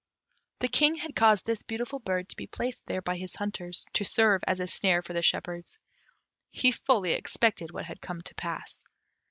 The King had caused this beautiful bird to be placed there by his hunters, to serve as a snare for the shepherds: he fully expected what had come to pass.